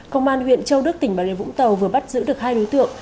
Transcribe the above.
công an huyện châu đức tỉnh bà rịa vũng tàu vừa bắt giữ được hai đối tượng